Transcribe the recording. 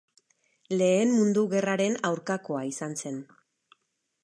Lehen Mundu Gerraren aurkakoa izan zen.